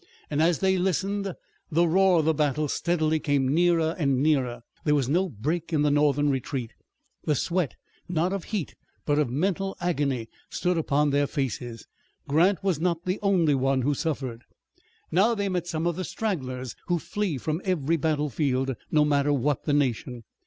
And, as they listened, the roar of battle steadily came nearer and nearer. There was no break in the Northern retreat. The sweat, not of heat but of mental agony, stood upon their faces. Grant was not the only one who suffered. Now they met some of those stragglers who flee from every battlefield, no matter what the nation.